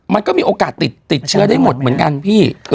มันก็มีโอกาสติดเชื้อได้หมดเหมือนกันพี่